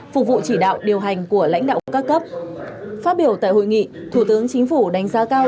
phục vụ chỉ đạo điều hành của lãnh đạo các cấp phát biểu tại hội nghị thủ tướng chính phủ đánh giá cao